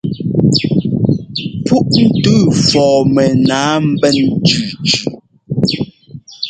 Púʼntʉʉ fɔɔ mɛnǎa mbɛ́n cʉcʉ.